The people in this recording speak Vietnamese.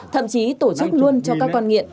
thậm chí tổ chức luôn cho các con nghiện